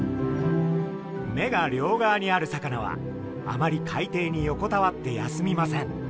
目が両側にある魚はあまり海底に横たわって休みません。